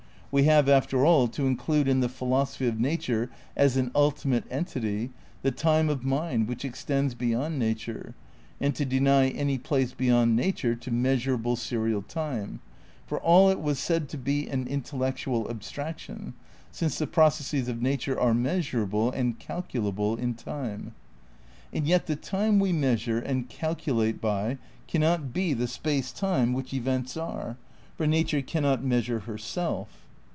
We have, after all, to include in the philosophy of nature as an ultimate entity the time of mind which extends be yond nature, and to deny any place beyond nature to measurable serial time, for all it was said to be an intellectual abstraction, since the processes of nature are measurable and calculable in time. And yet the time we measure and calculate by cannot be the space time which events are, for Nature cannot measure her self.